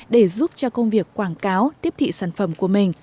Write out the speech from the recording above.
để giúp cho công việc quảng cáo tiếp thị sản phẩm của mình